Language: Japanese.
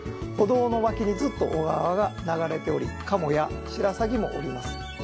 歩道の脇にずっと小川が流れておりカモやシラサギもおります。